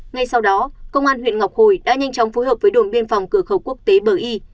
ngay sau đó công an huyện ngọc hồi đã nhanh chóng phối hợp với đồn biên phòng cửa khẩu quốc tế bờ y